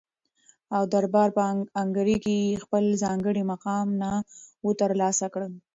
او ددربار په انګړ کي یې خپل ځانګړی مقام نه وو تر لاسه کړی